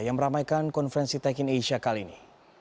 yang meramaikan konferensi tech in asia kali ini